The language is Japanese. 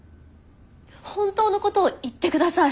本当のことを言ってください。